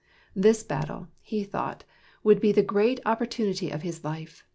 This battle, he thought, would be the great opportunity of his life.